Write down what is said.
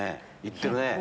行ってるね！